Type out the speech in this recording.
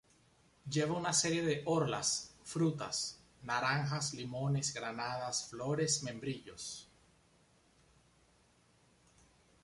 Lleva una serie de orlas, frutas: naranjas, limones, granadas, flores, membrillos.